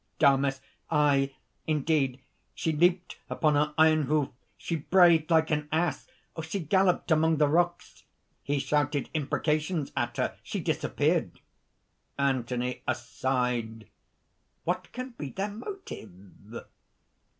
DAMIS. "Aye, indeed! She leaped upon her iron hoof; she brayed like an ass; she galloped among the rocks. He shouted imprecations at her; she disappeared." ANTHONY (aside). "What can be their motive?"